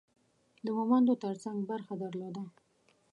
د مومندو ترڅنګ برخه درلوده.